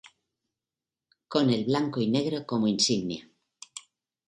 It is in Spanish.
Con el Blanco y negro como insignia.